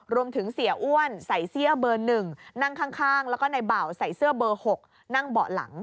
เสียอ้วนใส่เสื้อเบอร์๑นั่งข้างแล้วก็ในเบาใส่เสื้อเบอร์๖นั่งเบาะหลัง